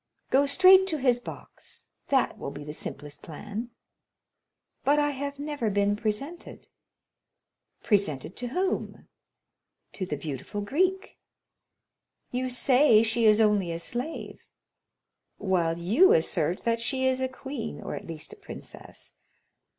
"Go straight to his box; that will be the simplest plan." "But I have never been presented." "Presented to whom?" "To the beautiful Greek." "You say she is only a slave?" "While you assert that she is a queen, or at least a princess.